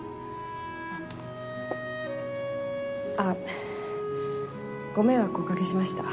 あっご迷惑をおかけしました。